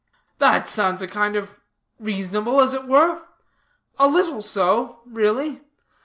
"That sounds a kind of reasonable, as it were a little so, really.